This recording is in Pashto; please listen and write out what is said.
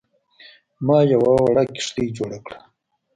ما یوه وړه کښتۍ جوړه کړه.